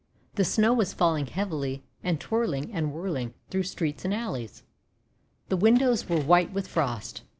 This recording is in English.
The Snow was falling heavily, and twirling and whirling through streets and alleys. The windows were white with Frost.